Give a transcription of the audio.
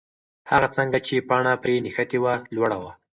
هغه څانګه چې پاڼه پرې نښتې وه، لوړه وه.